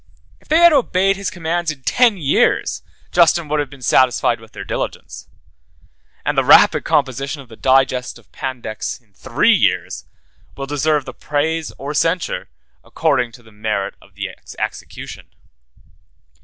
If they had obeyed his commands in ten years, Justinian would have been satisfied with their diligence; and the rapid composition of the Digest of Pandects, 75 in three years, will deserve praise or censure, according to the merit of the execution.